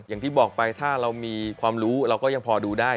อย่างที่บอกไปถ้าเรามีความรู้เราก็ยังพอดูได้